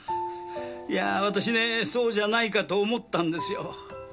いや私ねそうじゃないかと思ったんですよ。